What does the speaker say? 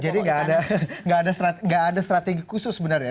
jadi gak ada strategi khusus sebenarnya